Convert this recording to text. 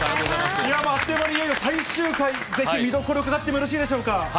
もうあっという間に最終回、ぜひ見どころ、伺ってもよろしいでしょうか。